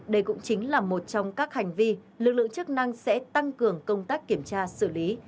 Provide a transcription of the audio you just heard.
đây cũng chính là một trong các hành vi lực lượng chức năng sẽ tăng cường công tác kiểm tra xử lý